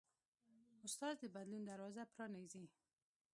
استاد د بدلون دروازه پرانیزي.